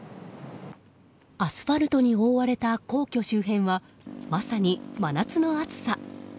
アスファルトに覆われた皇居周辺はまさに真夏の暑さ。